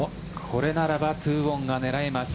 これならば２オンが狙えます。